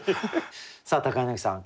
さあ柳さん